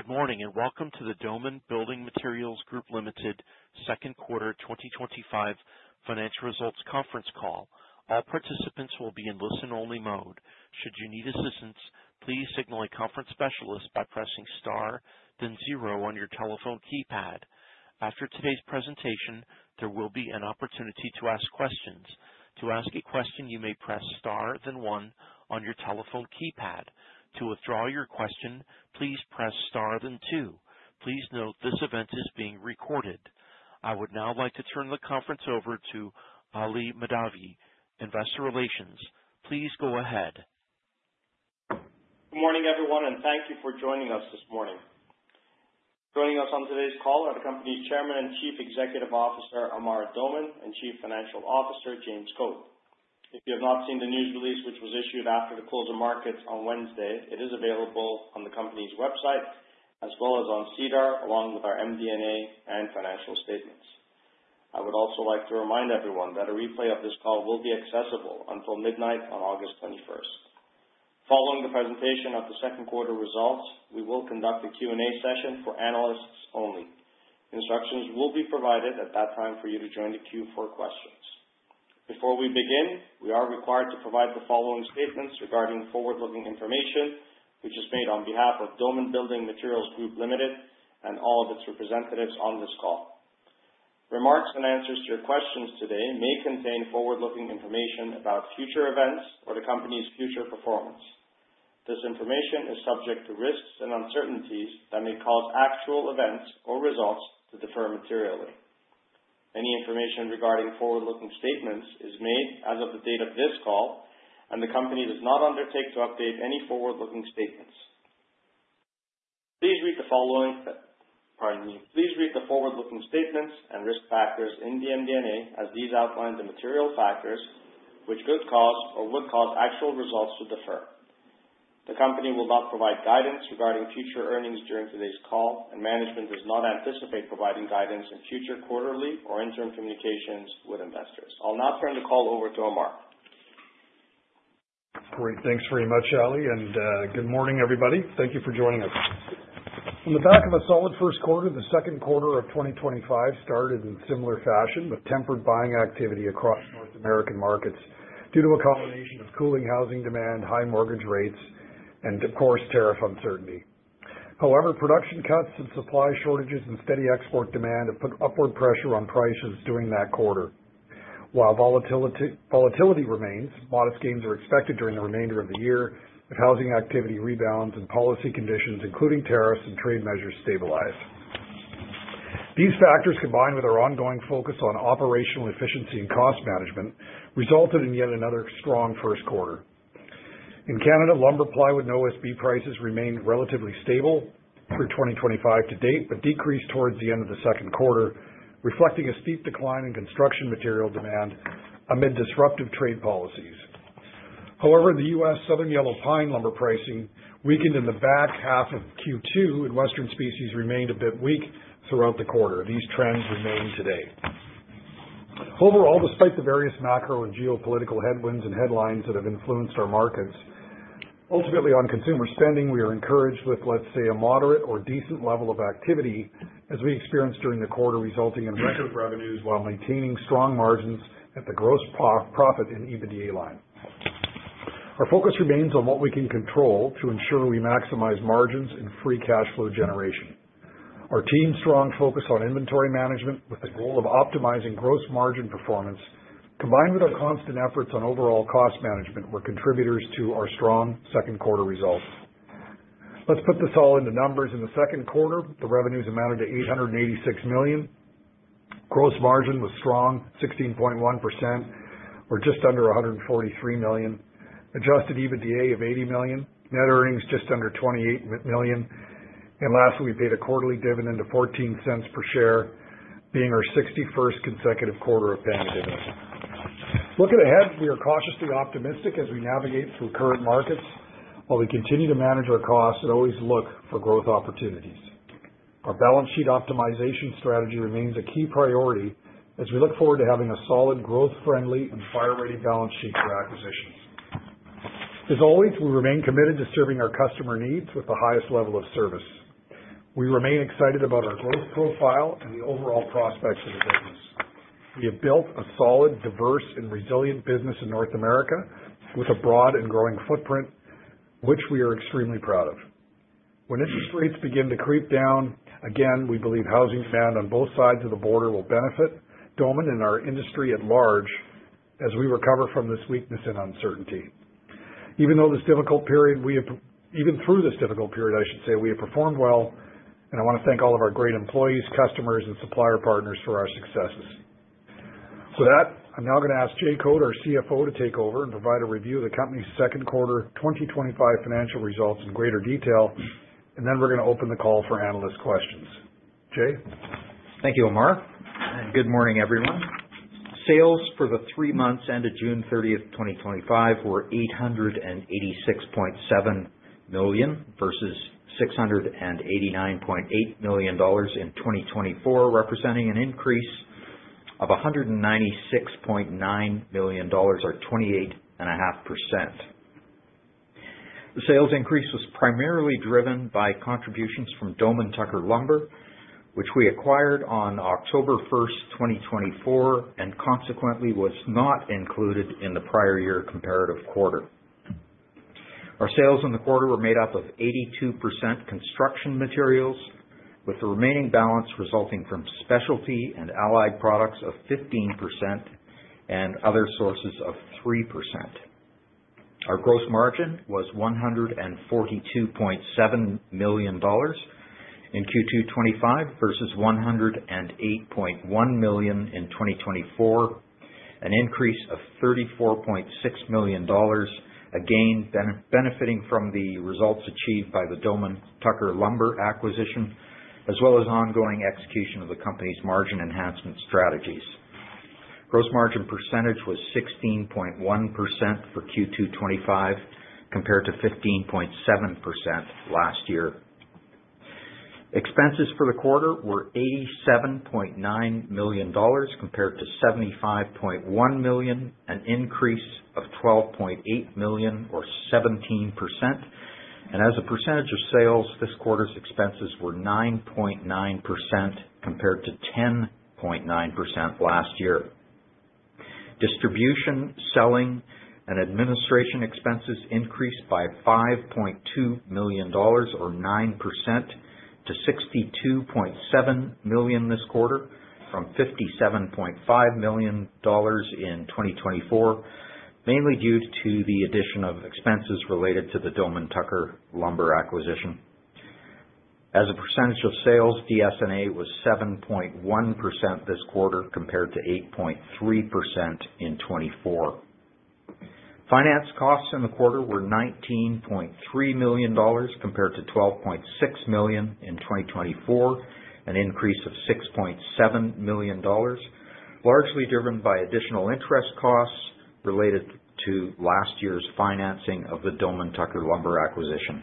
Good morning and welcome to the Doman Building Materials Group Ltd. Second Quarter 2025 Financial Results Conference Call. All participants will be in listen-only mode. Should you need assistance, please signal a conference specialist by pressing star, then zero on your telephone keypad. After today's presentation, there will be an opportunity to ask questions. To ask a question, you may press star, then one on your telephone keypad. To withdraw your question, please press star, then two. Please note this event is being recorded. I would now like to turn the conference over to Ali Mahdavi, Investor Relations. Please go ahead. Good morning, everyone, and thank you for joining us this morning. Joining us on today's call are the company's Chairman and Chief Executive Officer, Amar Doman, and Chief Financial Officer, James Code. If you have not seen the news release, which was issued after the close of markets on Wednesday, it is available on the company's website as well as on TDAR, along with our MDMA and financial statements. I would also like to remind everyone that a replay of this call will be accessible until midnight on August 21st. Following the presentation of the second quarter results, we will conduct a Q&A session for analysts only. Instructions will be provided at that time for you to join the queue for questions. Before we begin, we are required to provide the following statements regarding forward-looking information, which is made on behalf of Doman Building Materials Group Ltd. and all of its representatives on this call. Remarks and answers to your questions today may contain forward-looking information about future events or the company's future performance. This information is subject to risks and uncertainties that may cause actual events or results to differ materially. Any information regarding forward-looking statements is made as of the date of this call, and the company does not undertake to update any forward-looking statements. Please read the following: Please read the forward-looking statements and risk factors in the MDMA as these outline the material factors which could cause or would cause actual results to differ. The company will not provide guidance regarding future earnings during today's call, and management does not anticipate providing guidance in future quarterly or interim communications with investors. I'll now turn the call over to Amar. Great. Thanks very much, Ali, and good morning, everybody. Thank you for joining us. From the back of a solid first quarter, the second quarter of 2025 started in similar fashion with tempered buying activity across North American markets due to a combination of cooling housing demand, high mortgage rates, and, of course, tariff uncertainty. However, production cuts and supply shortages and steady export demand have put upward pressure on prices during that quarter. While volatility remains, modest gains are expected during the remainder of the year if housing activity rebounds and policy conditions, including tariffs and trade measures, stabilize. These factors, combined with our ongoing focus on operational efficiency and cost management, resulted in yet another strong first quarter. In Canada, lumber, plywood, and OSB prices remained relatively stable for 2025 to date but decreased towards the end of the second quarter, reflecting a steep decline in construction material demand amid disruptive trade policies. However, in the U.S., Southern Yellow Pine lumber pricing weakened in the back half of Q2, and Western species remained a bit weak throughout the quarter. These trends remain today. Overall, despite the various macro and geopolitical headwinds and headlines that have influenced our markets, ultimately on consumer spending, we are encouraged with, let's say, a moderate or decent level of activity as we experienced during the quarter, resulting in record revenues while maintaining strong margins at the gross profit and EBITDA line. Our focus remains on what we can control to ensure we maximize margins and free cash flow generation. Our team's strong focus on inventory management with the goal of optimizing gross margin performance, combined with our constant efforts on overall cost management, were contributors to our strong second quarter results. Let's put this all into numbers. In the second quarter, the revenues amounted to $886 million. Gross margin was strong, 16.1%, or just under $143 million. Adjusted EBITDA of $80 million, net earnings just under $28 million. Lastly, we paid a quarterly dividend of $0.14 per share, being our 61st consecutive quarter of paying a dividend. Looking ahead, we are cautiously optimistic as we navigate through current markets while we continue to manage our costs and always look for growth opportunities. Our balance sheet optimization strategy remains a key priority as we look forward to having a solid, growth-friendly, and fire-ready balance sheet for acquisitions. As always, we remain committed to serving our customer needs with the highest level of service. We remain excited about our growth profile and the overall prospects of the business. We have built a solid, diverse, and resilient business in North America with a broad and growing footprint, which we are extremely proud of. When interest rates begin to creep down again, we believe housing demand on both sides of the border will benefit Doman and our industry at large as we recover from this weakness and uncertainty. Even through this difficult period, we have performed well, and I want to thank all of our great employees, customers, and supplier partners for our successes. I am now going to ask James Code, our CFO, to take over and provide a review of the company's second quarter 2025 financial results in greater detail. We are going to open the call for analyst questions. James? Thank you, Amar. Good morning, everyone. Sales for the three months ended June 30, 2025, were $886.7 million versus $689.8 million in 2024, representing an increase of $196.9 million, or 28.5%. The sales increase was primarily driven by contributions from Doman Tucker Lumber, which we acquired on October 1, 2024, and consequently was not included in the prior year comparative quarter. Our sales in the quarter were made up of 82% construction materials, with the remaining balance resulting from specialty and allied products of 15% and other sources of 3%. Our gross margin was $142.7 million in Q2 2025 versus $108.1 million in 2024, an increase of $34.6 million, again benefiting from the results achieved by the Doman Tucker Lumber acquisition, as well as ongoing execution of the company's margin enhancement strategies. Gross margin percentage was 16.1% for Q2 2025 compared to 15.7% last year. Expenses for the quarter were $87.9 million compared to $75.1 million, an increase of $12.8 million, or 17%. As a percentage of sales, this quarter's expenses were 9.9% compared to 10.9% last year. Distribution, selling, and administration expenses increased by $5.2 million, or 9%, to $62.7 million this quarter, from $57.5 million in 2024, mainly due to the addition of expenses related to the Doman Tucker Lumber acquisition. As a percentage of sales, the S&A was 7.1% this quarter compared to 8.3% in 2024. Finance costs in the quarter were $19.3 million compared to $12.6 million in 2024, an increase of $6.7 million, largely driven by additional interest costs related to last year's financing of the Doman Tucker Lumber acquisition.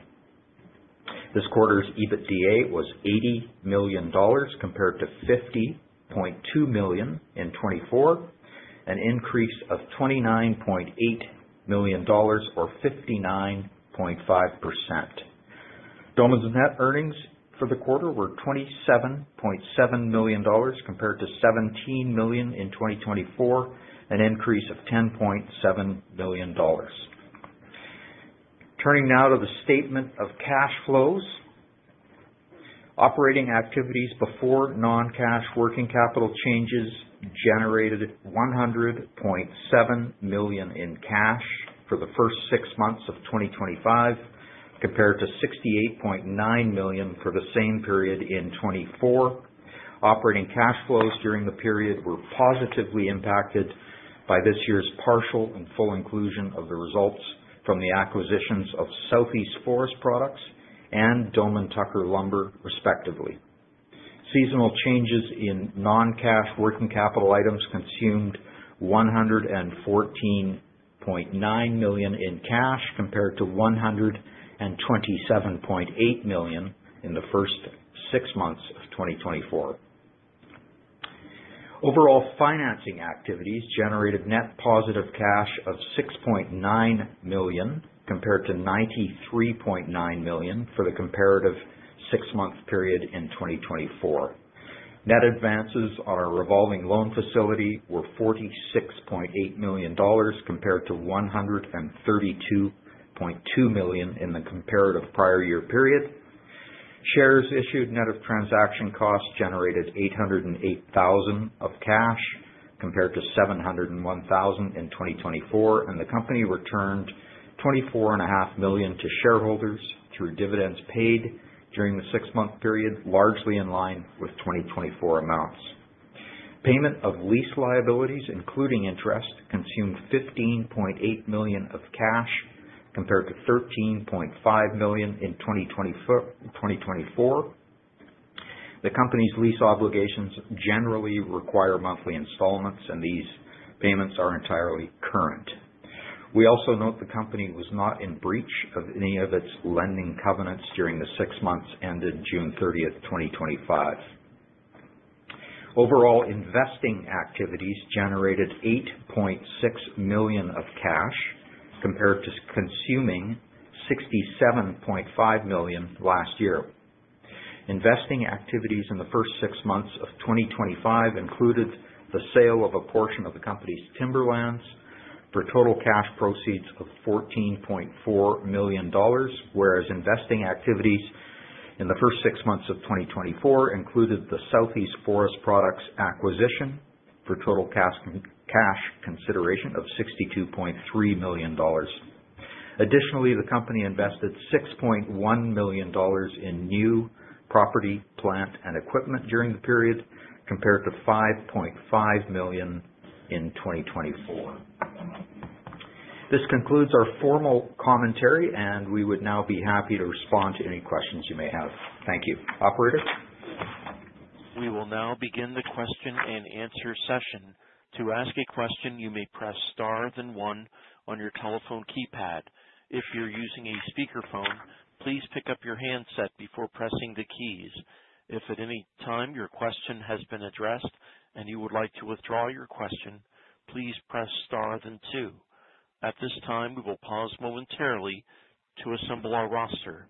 This quarter's EBITDA was $80 million compared to $50.2 million in 2024, an increase of $29.8 million, or 59.5%. Doman's net earnings for the quarter were $27.7 million compared to $17 million in 2024, an increase of $10.7 million. Turning now to the statement of cash flows, operating activities before non-cash working capital changes generated $100.7 million in cash for the first six months of 2025, compared to $68.9 million for the same period in 2024. Operating cash flows during the period were positively impacted by this year's partial and full inclusion of the results from the acquisitions of Southeast Forest Products and Doman Tucker Lumber, respectively. Seasonal changes in non-cash working capital items consumed $114.9 million in cash compared to $127.8 million in the first six months of 2024. Overall financing activities generated net positive cash of $6.9 million compared to $93.9 million for the comparative six-month period in 2024. Net advances on our revolving loan facility were $46.8 million compared to $132.2 million in the comparative prior year period. Shares issued net of transaction costs generated $808,000 of cash compared to $701,000 in 2024, and the company returned $24.5 million to shareholders through dividends paid during the six-month period, largely in line with 2024 amounts. Payment of lease liabilities, including interest, consumed $15.8 million of cash compared to $13.5 million in 2024. The company's lease obligations generally require monthly installments, and these payments are entirely current. We also note the company was not in breach of any of its lending covenants during the six months ended June 30, 2025. Overall investing activities generated $8.6 million of cash compared to consuming $67.5 million last year. Investing activities in the first six months of 2025 included the sale of a portion of the company's timberlands for total cash proceeds of $14.4 million, whereas investing activities in the first six months of 2024 included the Southeast Forest Products acquisition for total cash consideration of $62.3 million. Additionally, the company invested $6.1 million in new property, plant, and equipment during the period, compared to $5.5 million in 2024. This concludes our formal commentary, and we would now be happy to respond to any questions you may have. Thank you. Operators. We will now begin the question-and-answer session. To ask a question, you may press star, then one on your telephone keypad. If you're using a speakerphone, please pick up your handset before pressing the keys. If at any time your question has been addressed and you would like to withdraw your question, please press star, then two. At this time, we will pause momentarily to assemble our roster.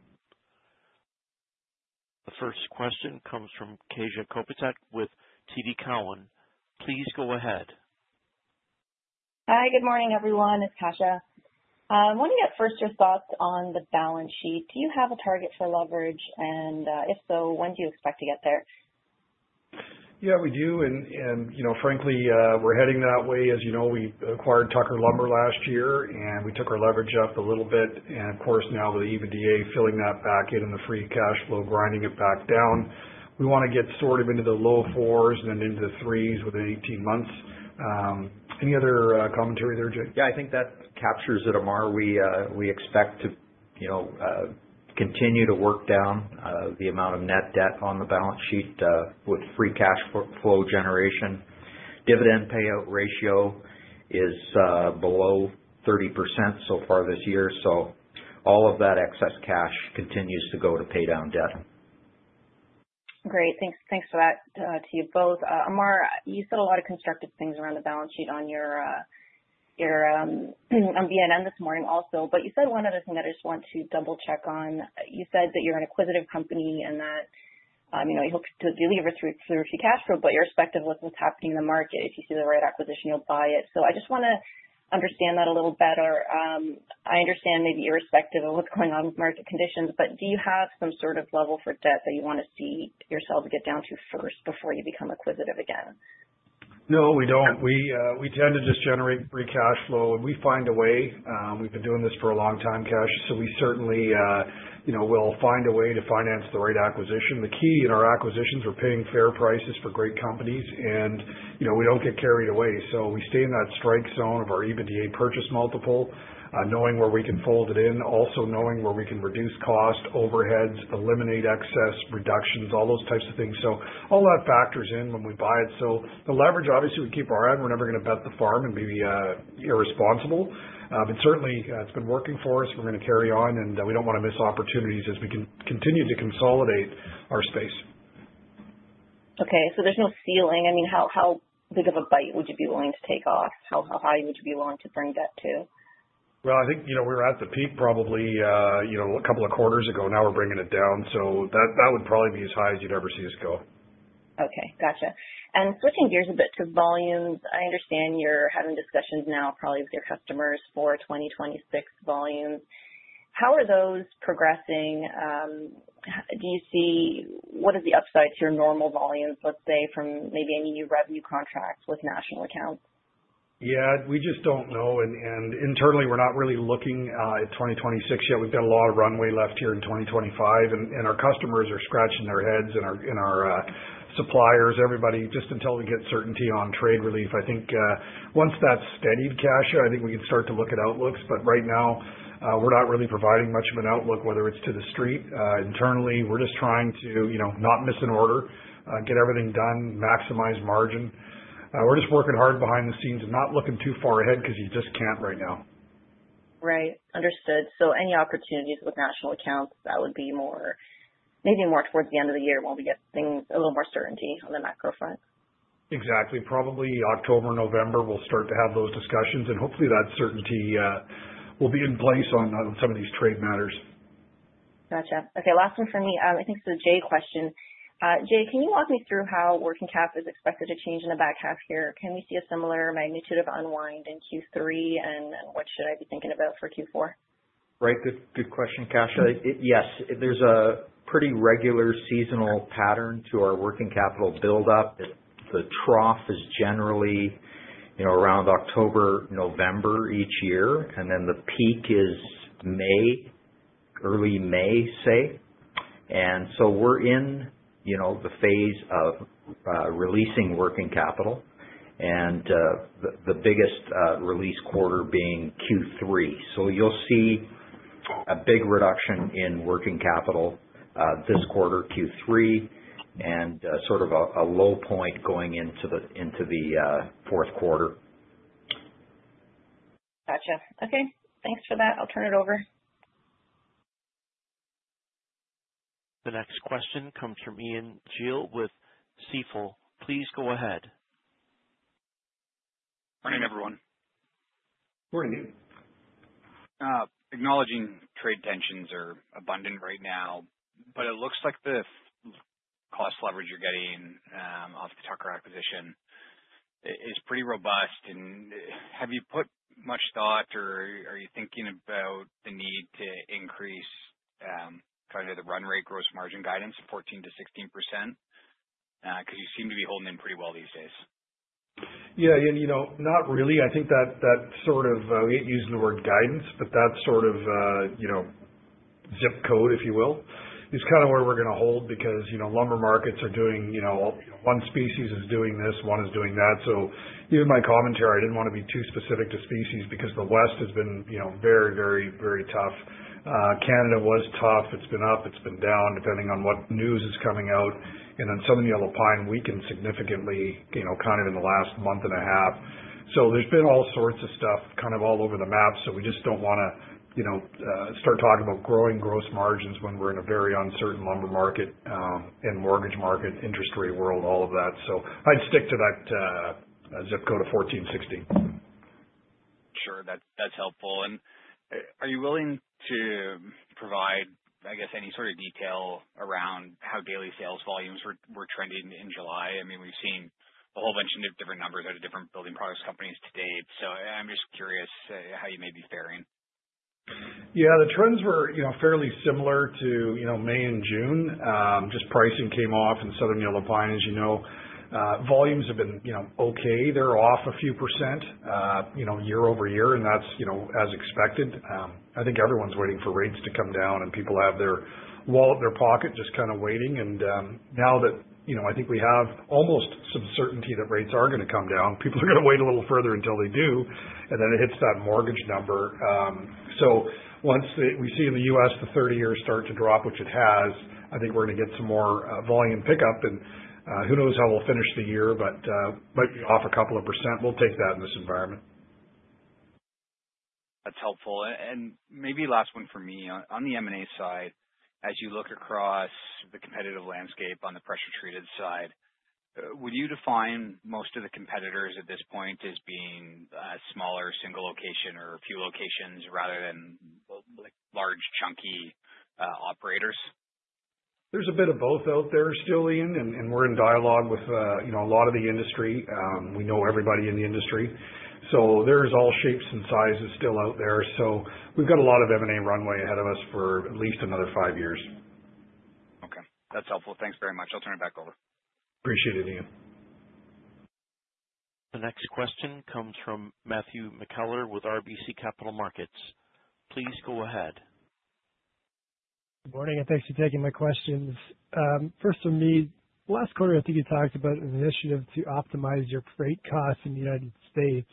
The first question comes from Kasia Kopytek with TD Cowen. Please go ahead. Hi, good morning, everyone. It's Kasia. I want to get first your thoughts on the balance sheet. Do you have a target for leverage? If so, when do you expect to get there? Yeah, we do. Frankly, we're heading that way. As you know, we acquired Doman Tucker Lumber last year, and we took our leverage up a little bit. Of course, now with the EBITDA filling that back in and the free cash flow grinding it back down, we want to get sort of into the low fours and then into the threes within 18 months. Any other commentary there, Jay? Yeah, I think that captures it, Amar. We expect to continue to work down the amount of net debt on the balance sheet with free cash flow generation. Dividend payout ratio is below 30% so far this year. All of that excess cash continues to go to pay down debt. Great. Thanks for that to you both. Amar, you said a lot of constructive things around the balance sheet on BNN this morning also. You said one other thing that I just want to double-check on. You said that you're an acquisitive company and that you know, you hope to deliver through free cash flow, but irrespective of what's happening in the market, if you see the right acquisition, you'll buy it. I just want to understand that a little better. I understand maybe irrespective of what's going on with market conditions, but do you have some sort of level for debt that you want to see yourself get down to first before you become acquisitive again? No, we don't. We tend to just generate free cash flow, and we find a way. We've been doing this for a long time, Kasia. We certainly will find a way to finance the right acquisition. The key in our acquisitions is we're paying fair prices for great companies, and we don't get carried away. We stay in that strike zone of our EBITDA purchase multiple, knowing where we can fold it in, also knowing where we can reduce costs, overheads, eliminate excess reductions, all those types of things. All that factors in when we buy it. The leverage, obviously, we keep our end. We're never going to bet the farm and be irresponsible. It has been working for us. We're going to carry on, and we don't want to miss opportunities as we continue to consolidate our space. There's no ceiling. I mean, how big of a bite would you be willing to take off? How high would you be willing to bring debt to? I think, you know, we were at the peak probably a couple of quarters ago. Now we're bringing it down. That would probably be as high as you'd ever see us go. Gotcha. Switching gears a bit to volumes, I understand you're having discussions now probably with your customers for 2026 volumes. How are those progressing? Do you see what are the upsides to your normal volumes, let's say, from maybe any new revenue contracts with national accounts? Yeah, we just don't know. Internally, we're not really looking at 2026 yet. We've got a lot of runway left here in 2025. Our customers are scratching their heads and our suppliers, everybody, just until we get certainty on trade relief. I think once that's steadied, Kasia, I think we can start to look at outlooks. Right now, we're not really providing much of an outlook, whether it's to the street. Internally, we're just trying to not miss an order, get everything done, maximize margin. We're just working hard behind the scenes and not looking too far ahead because you just can't right now. Right. Understood. Any opportunities with national accounts, that would be more maybe more towards the end of the year when we get things a little more certainty on the macro front? Exactly. Probably October and November, we'll start to have those discussions. Hopefully, that certainty will be in place on some of these trade matters. Gotcha. Okay. Last one for me. I think it's the Jay question. Jay, can you walk me through how working capital is expected to change in the back half here? Can we see a similar magnitude of unwind in Q3? What should I be thinking about for Q4? Right. That's a good question, Kasia. Yes, there's a pretty regular seasonal pattern to our working capital buildup. The trough is generally around October, November each year, and the peak is May, early May, say. We're in the phase of releasing working capital, with the biggest release quarter being Q3. You'll see a big reduction in working capital this quarter, Q3, and sort of a low point going into the fourth quarter. Gotcha. Okay, thanks for that. I'll turn it over. The next question comes from Ian Gillies with Stifel. Please go ahead. Morning, everyone. Morning. Acknowledging trade tensions are abundant right now, it looks like the cost leverage you're getting off the Tucker acquisition is pretty robust. Have you put much thought or are you thinking about the need to increase the run rate gross margin guidance of 14%-16%? You seem to be holding in pretty well these days. Yeah. Not really. I think that sort of, we ain't using the word guidance, but that sort of, you know, zip code, if you will, is kind of where we're going to hold because, you know, lumber markets are doing, you know, all one species is doing this, one is doing that. Even my commentary, I didn't want to be too specific to species because the West has been, you know, very, very, very tough. Canada was tough. It's been up. It's been down, depending on what news is coming out. Southern Yellow Pine weakened significantly, you know, kind of in the last month and a half. There's been all sorts of stuff kind of all over the map. We just don't want to start talking about growing gross margins when we're in a very uncertain lumber market, and mortgage market, interest rate world, all of that. I'd stick to that zip code of 14%-%16. Sure. That's helpful. Are you willing to provide, I guess, any sort of detail around how daily sales volumes were trending in July? We've seen a whole bunch of different numbers out of different building products companies to date. I'm just curious how you may be faring. Yeah. The trends were fairly similar to May and June. Pricing came off in Southern Yellow Pine, as you know. Volumes have been okay. They're off a few percent year-over-year, and that's as expected. I think everyone's waiting for rates to come down, and people have their wallet in their pocket, just kind of waiting. Now that I think we have almost some certainty that rates are going to come down, people are going to wait a little further until they do. It hits that mortgage number. Once we see in the U.S. the 30-year start to drop, which it has, I think we're going to get some more volume pickup. Who knows how we'll finish the year, but you're off a couple of percent. We'll take that in this environment. That's helpful. Maybe last one for me. On the M&A side, as you look across the competitive landscape on the pressure-treated side, would you define most of the competitors at this point as being a smaller single location or a few locations rather than like large, chunky operators? There's a bit of both out there still, Ian, and we're in dialogue with a lot of the industry. We know everybody in the industry. There are all shapes and sizes still out there, so we've got a lot of M&A runway ahead of us for at least another five years. Okay, that's helpful. Thanks very much. I'll turn it back over. Appreciate it, Ian. The next question comes from Matthew McKellar with RBC Capital Markets. Please go ahead. Good morning, and thanks for taking my questions. First from me, last quarter, I think you talked about an initiative to optimize your freight costs in the United States.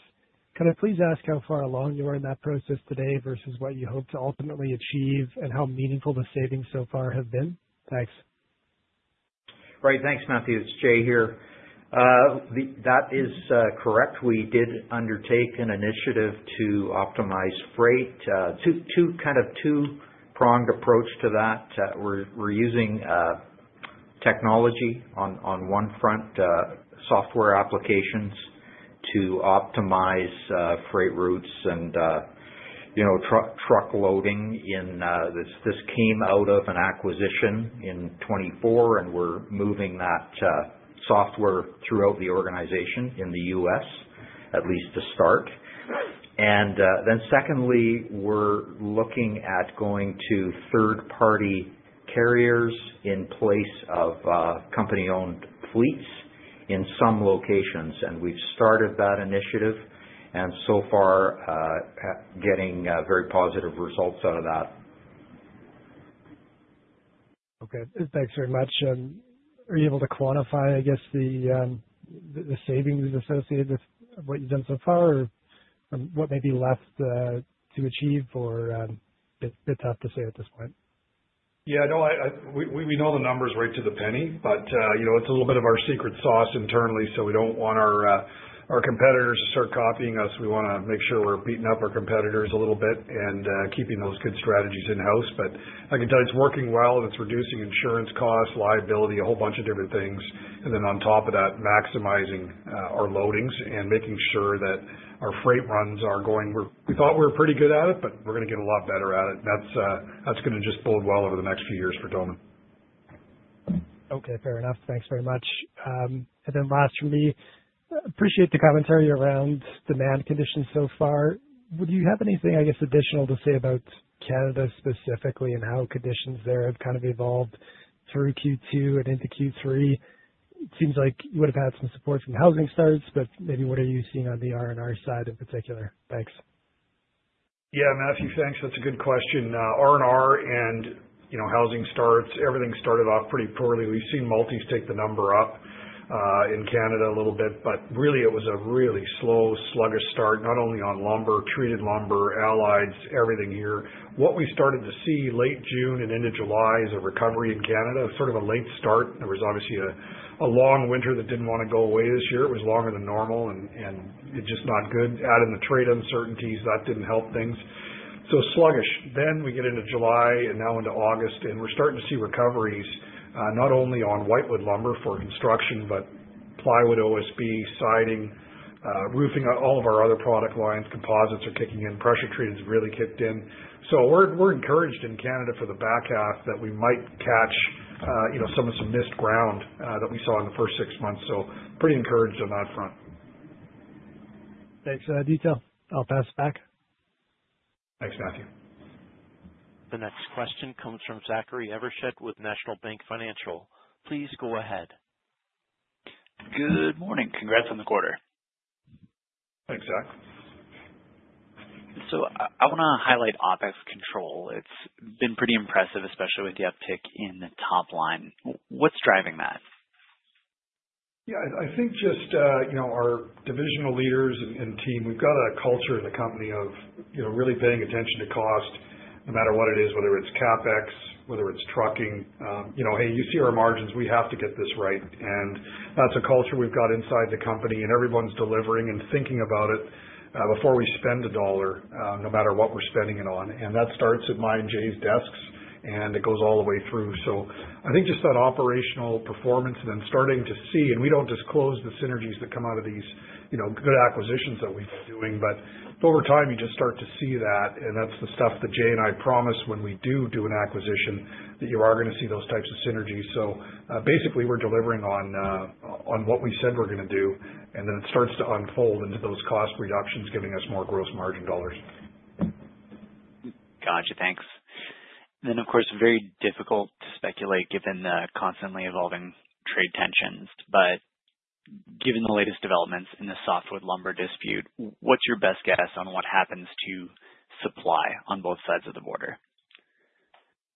Can I please ask how far along you are in that process today versus what you hope to ultimately achieve, and how meaningful the savings so far have been? Thanks. Right. Thanks, Matthew. It's Jay here. That is correct. We did undertake an initiative to optimize freight. Two kind of two-pronged approach to that. We're using technology on one front, software applications to optimize freight routes and, you know, truck loading. This came out of an acquisition in 2024, and we're moving that software throughout the organization in the U.S., at least to start. Secondly, we're looking at going to third-party carriers in place of company-owned fleets in some locations. We've started that initiative and so far, getting very positive results out of that. Okay. Thanks very much. Are you able to quantify the savings associated with what you've done so far or what may be left to achieve, or is it a bit tough to say at this point? Yeah. We know the numbers right to the penny, but it's a little bit of our secret sauce internally. We don't want our competitors to start copying us. We want to make sure we're beating up our competitors a little bit and keeping those good strategies in-house. I can tell you it's working well. It's reducing insurance costs, liability, a whole bunch of different things. On top of that, maximizing our loadings and making sure that our freight runs are going. We thought we were pretty good at it, but we're going to get a lot better at it. That's going to just bode well over the next few years for Doman. Okay. Fair enough. Thanks very much. I appreciate the commentary around demand conditions so far. Would you have anything, I guess, additional to say about Canada specifically and how conditions there have kind of evolved through Q2 and into Q3? It seems like you would have had some support from housing starts, but maybe what are you seeing on the R&R side in particular? Thanks. Yeah, Matthew, thanks. That's a good question. R&R and, you know, housing starts, everything started off pretty poorly. We've seen multies take the number up in Canada a little bit, but really, it was a really slow, sluggish start, not only on lumber, treated lumber, allied products, everything here. What we started to see late June and into July is a recovery in Canada, sort of a late start. There was obviously a long winter that didn't want to go away this year. It was longer than normal, and it's just not good. Add in the trade uncertainties, that didn't help things. Sluggish. We get into July and now into August, and we're starting to see recoveries, not only on white wood lumber for construction, but plywood, OSB, siding, roofing, all of our other product lines, composites are kicking in. Pressure treat has really kicked in. We're encouraged in Canada for the back half that we might catch, you know, some of some missed ground that we saw in the first six months. Pretty encouraged on that front. Thanks for that detail. I'll pass it back. Thanks, Matthew. The next question comes from Zachary Evershed with National Bank Financial. Please go ahead. Good morning. Congrats on the quarter. Thanks, Zach. I want to highlight OpEx control. It's been pretty impressive, especially with the uptick in the top line. What's driving that? Yeah, I think just, you know, our divisional leaders and team, we've got a culture in the company of really paying attention to cost no matter what it is, whether it's CapEx, whether it's trucking. You know, hey, you see our margins, we have to get this right. That's a culture we've got inside the company, and everyone's delivering and thinking about it before we spend a dollar, no matter what we're spending it on. That starts at my and Jay's desks, and it goes all the way through. I think just that operational performance and then starting to see, and we don't disclose the synergies that come out of these good acquisitions that we're doing, but over time, you just start to see that. That's the stuff that Jay and I promise when we do do an acquisition that you are going to see those types of synergies. Basically, we're delivering on what we said we're going to do, and then it starts to unfold into those cost reductions, giving us more gross margin dollars. Gotcha. Thanks. Of course, very difficult to speculate given the constantly evolving trade tensions. Given the latest developments in the softwood lumber dispute, what's your best guess on what happens to supply on both sides of the border?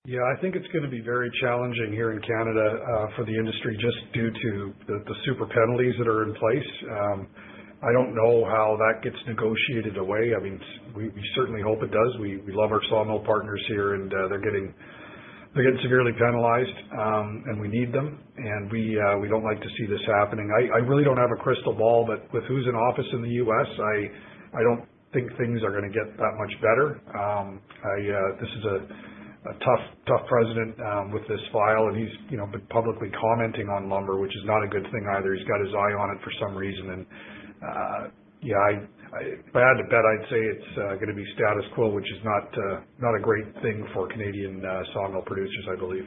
Yeah, I think it's going to be very challenging here in Canada for the industry just due to the super penalties that are in place. I don't know how that gets negotiated away. We certainly hope it does. We love our sawmill partners here, and they're getting severely penalized, and we need them. We don't like to see this happening. I really don't have a crystal ball, but with who's in office in the U.S., I don't think things are going to get that much better. This is a tough, tough president with this file, and he's, you know, been publicly commenting on lumber, which is not a good thing either. He's got his eye on it for some reason. If I had to bet, I'd say it's going to be status quo, which is not a great thing for Canadian sawmill producers, I believe.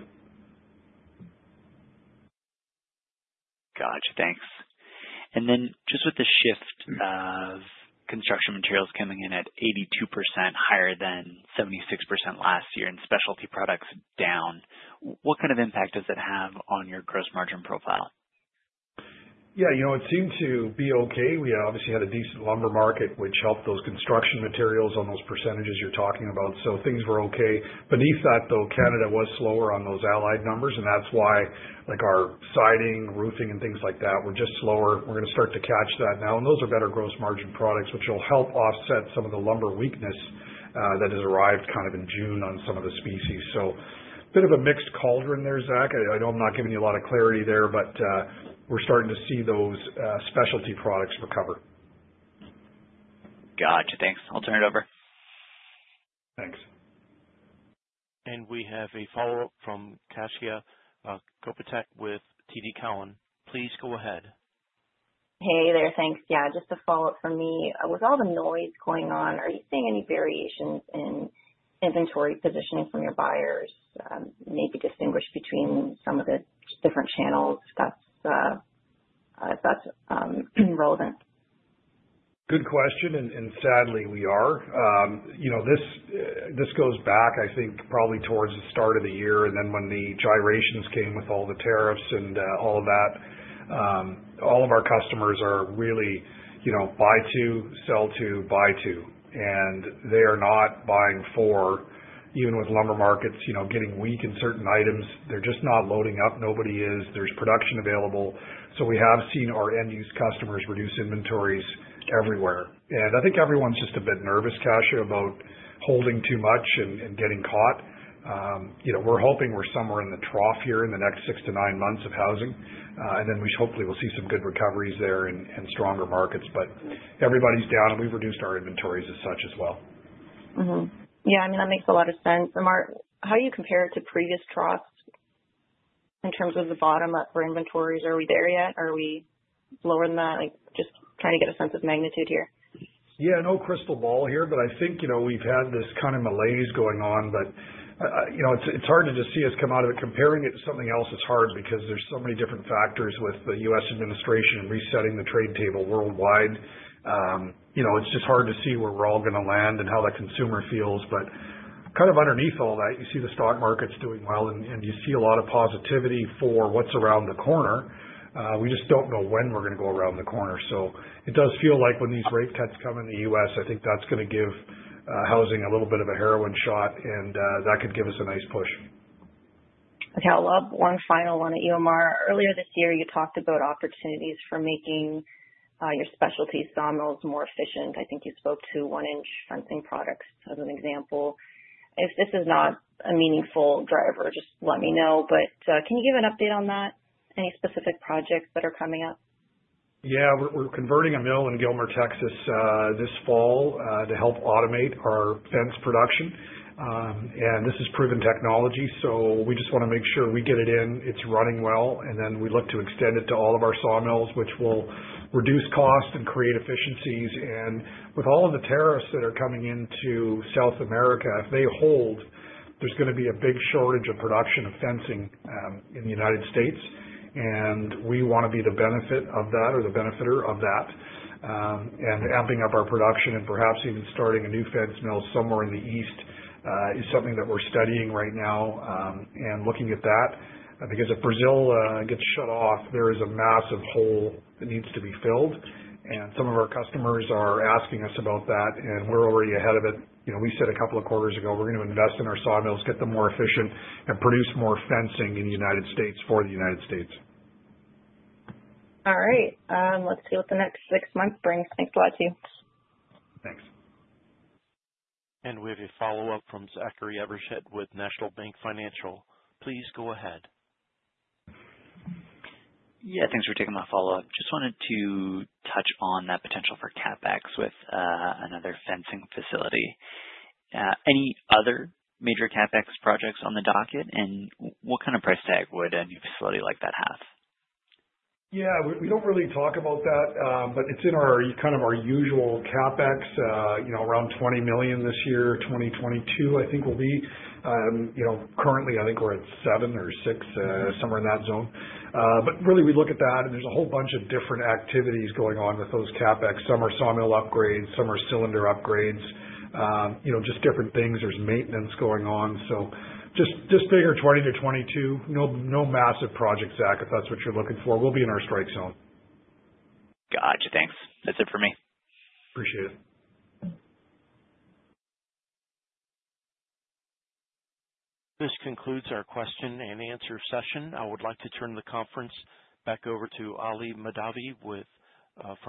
Gotcha. Thanks. With the shift of construction materials coming in at 82% higher than 76% last year and specialty products down, what kind of impact does it have on your gross margin profile? Yeah, you know, it seemed to be okay. We obviously had a decent lumber market, which helped those construction materials on those percentages you're talking about. Things were okay. Beneath that, though, Canada was slower on those allied numbers, and that's why like our siding, roofing, and things like that were just slower. We're going to start to catch that now. Those are better gross margin products, which will help offset some of the lumber weakness that has arrived kind of in June on some of the species. A bit of a mixed cauldron there, Zach. I know I'm not giving you a lot of clarity there, but we're starting to see those specialty products recover. Gotcha. Thanks. I'll turn it over. Thanks. We have a follow-up from Kasia Kopytek with TD Cowen. Please go ahead. Hey there. Thanks. Just a follow-up from me. With all the noise going on, are you seeing any variations in inventory positioning from your buyers? Maybe distinguish between some of the different channels that's relevant? Good question. Sadly, we are. This goes back, I think, probably towards the start of the year. When the gyrations came with all the tariffs and all of that, all of our customers are really, you know, buy two, sell two, buy two. They are not buying for, even with lumber markets getting weak in certain items. They're just not loading up. Nobody is. There's production available. We have seen our end-use customers reduce inventories everywhere. I think everyone's just a bit nervous, Kasia, about holding too much and getting caught. We're hoping we're somewhere in the trough here in the next six to nine months of housing. We hopefully will see some good recoveries there and stronger markets. Everybody's down, and we've reduced our inventories as such as well. Mm-hmm. Yeah, I mean, that makes a lot of sense. Amar, how do you compare it to previous troughs in terms of the bottom-up for inventories? Are we there yet? Are we lower than that? Like just trying to get a sense of magnitude here. Yeah, no crystal ball here, but I think we've had this kind of malaise going on. It's hard to just see us come out of it. Comparing it to something else is hard because there are so many different factors with the U.S. administration and resetting the trade table worldwide. It's just hard to see where we're all going to land and how the consumer feels. Underneath all that, you see the stock market's doing well, and you see a lot of positivity for what's around the corner. We just don't know when we're going to go around the corner. It does feel like when these rate cuts come in the U.S., I think that's going to give housing a little bit of a heroin shot, and that could give us a nice push. Okay. I'll lob one final one at you, Amar. Earlier this year, you talked about opportunities for making your specialty sawmills more efficient. I think you spoke to one-inch fencing products as an example. If this is not a meaningful driver, just let me know. Can you give an update on that? Any specific projects that are coming up? Yeah. We're converting a mill in Gilmer, Texas, this fall to help automate our fence production, and this is proven technology. We just want to make sure we get it in, it's running well, and then we look to extend it to all of our sawmills, which will reduce costs and create efficiencies. With all of the tariffs that are coming into South America, if they hold, there's going to be a big shortage of production of fencing in the United States. We want to be the benefiter of that, amping up our production and perhaps even starting a new fence mill somewhere in the east is something that we're studying right now and looking at that. If Brazil gets shut off, there is a massive hole that needs to be filled. Some of our customers are asking us about that, and we're already ahead of it. You know, we said a couple of quarters ago we're going to invest in our sawmills, get them more efficient, and produce more fencing in the United States for the United States. All right. Let's see what the next six months brings. Thanks a lot, too. Thanks. We have a follow-up from Zachary Evershed with National Bank Financial. Please go ahead. Yeah, thanks for taking my follow-up. Just wanted to touch on that potential for CapEx with another fencing facility. Any other major CapEx projects on the docket? What kind of price tag would a new facility like that have? Yeah, we don't really talk about that, but it's in our kind of our usual CapEx, you know, around $20 million this year, 2022, I think will be. You know, currently, I think we're at $7 million or $6 million, somewhere in that zone. Really, we look at that, and there's a whole bunch of different activities going on with those CapEx. Some are sawmill upgrades, some are cylinder upgrades, just different things. There's maintenance going on. Just bigger $20 million-$22 million. No massive project, Zach, if that's what you're looking for. We'll be in our strike zone. Gotcha. Thanks. That's it for me. Appreciate it. This concludes our question-and-answer session. I would like to turn the conference back over to Ali Mahdavi for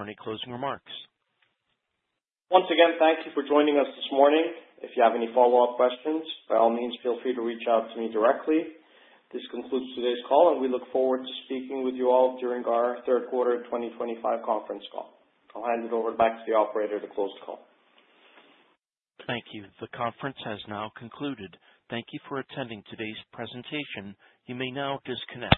any closing remarks. Once again, thank you for joining us this morning. If you have any follow-up questions, by all means, feel free to reach out to me directly. This concludes today's call, and we look forward to speaking with you all during our Third Quarter 2025 Conference Call. I'll hand it over back to the operator to close the call. Thank you. The conference has now concluded. Thank you for attending today's presentation. You may now disconnect.